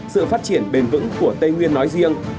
sự phát triển bền vững của tây nguyên nói riêng